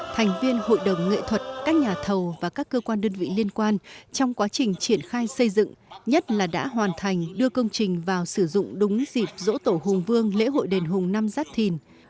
thành viên hội đồng nghệ thuật các nhà thầu và các cơ quan đơn vị liên quan trong quá trình triển khai xây dựng nhất là đã hoàn thành đưa công trình vào sử dụng đúng dịp dỗ tổ hùng vương lễ hội đền hùng năm giáp thìn